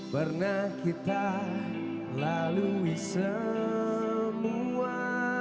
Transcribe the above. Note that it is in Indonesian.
pernah kita lalui semua